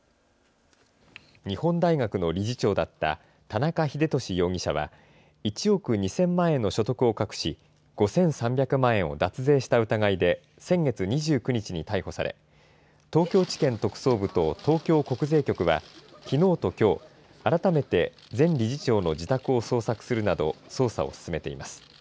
日本大学の理事長だった田中英壽容疑者は、１億２０００万円の所得を隠し、５３００万円を脱税した疑いで、先月２９日に逮捕され、東京地検特捜部と東京国税局は、きのうときょう、改めて前理事長の自宅を捜索するなど、捜査を進めています。